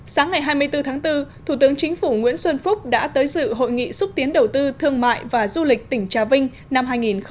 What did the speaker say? sáng ngày hai mươi bốn tháng bốn thủ tướng chính phủ nguyễn xuân phúc đã tới dự hội nghị xúc tiến đầu tư thương mại và du lịch tỉnh trà vinh năm hai nghìn hai mươi